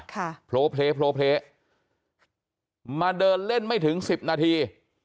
โผล่เพลโพลเพลมาเดินเล่นไม่ถึงสิบนาที